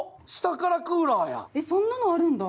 そんなのあるんだ。